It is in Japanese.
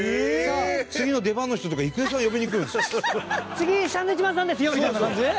次サンドウィッチマンさんですよみたいな感じで？